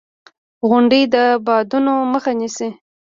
• غونډۍ د بادونو مخه نیسي.